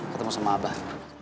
ketemu sama abah